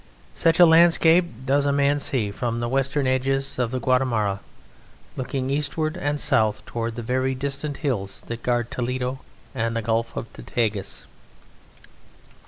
Such a landscape does a man see from the Western edges of the Guadarrama, looking eastward and south toward the very distant hills that guard Toledo and the Gulf of the Tagus.